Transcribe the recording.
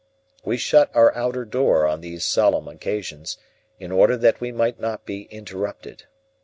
We shut our outer door on these solemn occasions, in order that we might not be interrupted.